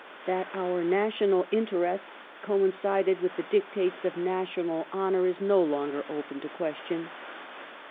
^ That oui* national interests coincided with the dictates of national honour is no longer open to question.